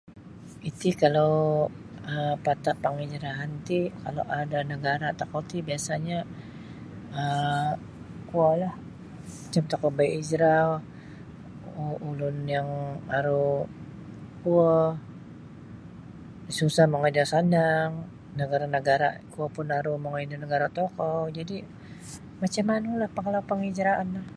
Iti kalau um pata' panghijrahan ti kalau um da nagara' tokou ti biasa'nyo um kuolah macam tokou bahizrah um ulun yang aru kuo susah mongoi da sanang nagara'-nagara' kuo pun aru mongoi da nagara' tokou jadi' macam manulah pang panghijrahan no.